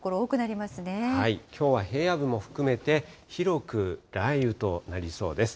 きょうは平野部も含めて、広く雷雨となりそうです。